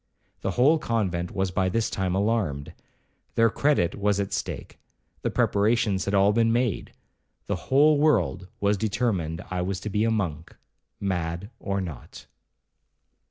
The whole convent was by this time alarmed—their credit was at stake—the preparations had all been made—the whole world was determined I was to be a monk, mad or not.